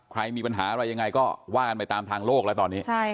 ใครมีปัญหาอะไรยังไงก็ว่ากันไปตามทางโลกแล้วตอนนี้